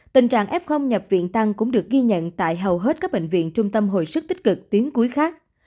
tình trạng f nhập viện tăng cũng được ghi nhận tại hầu hết các bệnh viện trung tâm hồi sức tích cực tuyến cuối khác